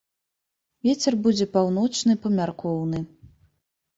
Вецер будзе паўночны памяркоўны.